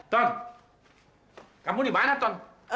tom kamu dimana tom